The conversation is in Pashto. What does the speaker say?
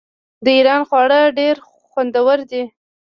د ایران خواړه ډیر خوندور دي.